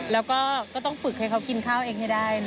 แล้วก็ต้องฝึกให้เขากินข้าวเองให้ได้